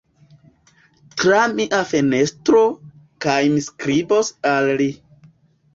Tra mia fenestro, kaj mi skribos al li.